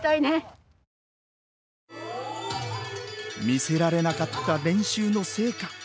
見せられなかった練習の成果。